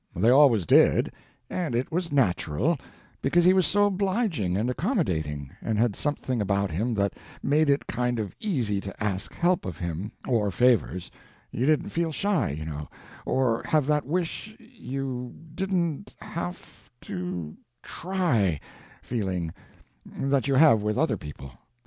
"They always did: and it was natural, because he was so obliging and accommodating, and had something about him that made it kind of easy to ask help of him, or favors—you didn't feel shy, you know, or have that wish—you—didn't—have—to—try feeling that you have with other people."